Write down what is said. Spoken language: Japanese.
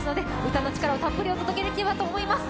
歌の力をたっぷりお届けできればと思います。